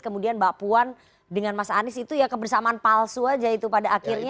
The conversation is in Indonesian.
kemudian mbak puan dengan mas anies itu ya kebersamaan palsu aja itu pada akhirnya